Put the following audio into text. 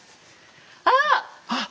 あっ！